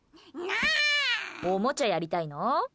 おもちゃやりたいの？